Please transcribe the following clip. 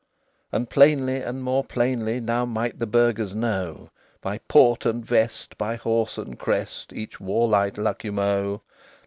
XXIII And plainly and more plainly Now might the burghers know, By port and vest, by horse and crest, Each warlike Lucumo.